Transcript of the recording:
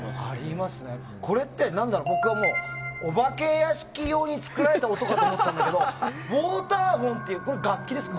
これって僕はお化け屋敷用に作られた音だと思ってたけどウォーターフォンっていう楽器ですか？